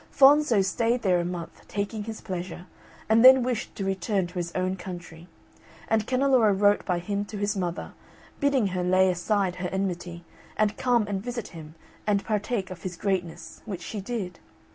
Fonzo stayed there a month, taking his pleasure, and then wished to return to his own country, and Canneloro wrote by him to his mother, bidding her lay aside her enmity and come and visit him and partake of his greatness, which she did.